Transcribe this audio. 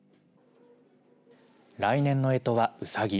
来年のえとはうさぎ。